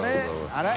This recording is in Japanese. あれ？